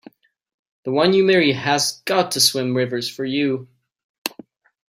The one you marry has got to swim rivers for you!